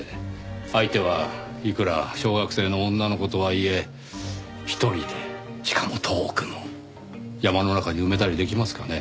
相手はいくら小学生の女の子とはいえ１人でしかも遠くの山の中に埋めたりできますかね？